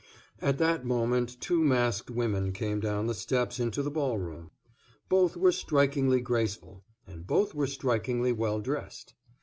At that moment two masked women came down the steps into the ballroom. Both were strikingly graceful, and both were strikingly well dressed.